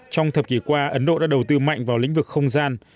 trong thập kỷ qua ấn độ đã đầu tư mạnh vào lĩnh vực không gian